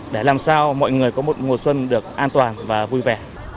để làm sao mọi người có một mùa xuân được an toàn và vui vẻ